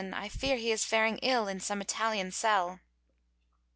I fear he is faring ill in some Italian cell."